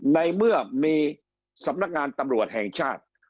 ในเมื่อมีสำนักงานตำรวจแห่งชาติ